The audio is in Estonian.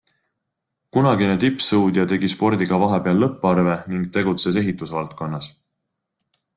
Kunagine tippsõudja tegi spordiga vahepeal lõpparve ning tegutses ehitusvaldkonnas.